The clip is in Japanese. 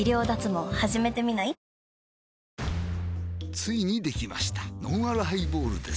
ついにできましたのんあるハイボールです